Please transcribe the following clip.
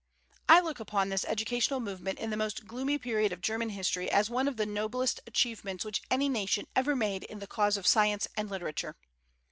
I look upon this educational movement in the most gloomy period of German history as one of the noblest achievements which any nation ever made in the cause of science and literature.